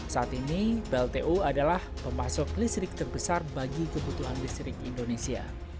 saat ini pltu adalah pemasok listrik terbesar bagi kebutuhan listrik indonesia